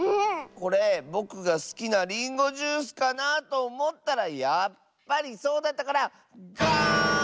これぼくがすきなリンゴジュースかなとおもったらやっぱりそうだったからガーン！